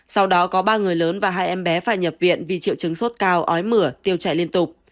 sau đó có ba người lớn và hai em bé phải nhập viện vì triệu chứng sốt cao ói mửa tiêu chảy liên tục